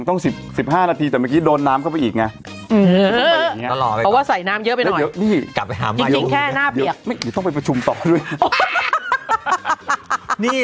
ต้อง๑๕นาทีแต่เมื่อกี้โดนน้ำเข้าไปอีกไง